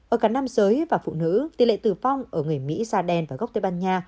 ở cả nam giới và phụ nữ tỷ lệ tử vong ở người mỹ saden và gốc tây ban nha